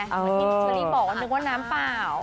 ก็เลยบอกว่านึกว่าน้ำเปล่า